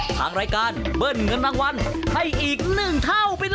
ทางรายการเบิ้ลเงินรางวัลให้อีก๑เท่าไปเลย